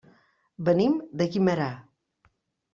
Venim de Guimerà.